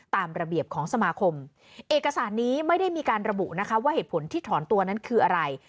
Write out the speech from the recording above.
ตามระเบียบของสมาคมเอกสารนี้ไม่ได้มีการระบุนะคะว่าเหตุผลที่ถอนตัวนั้นคืออะไร